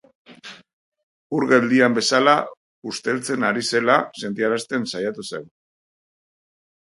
Ur geldian bezala usteltzen ari zela sentiarazten saiatu zen.